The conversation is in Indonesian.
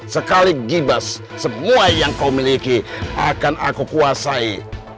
sekali gibas semua yang kau miliki akan aku kuasai